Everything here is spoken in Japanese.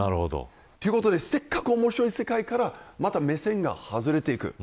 ということでせっかく面白い世界からまた目線が外れていく。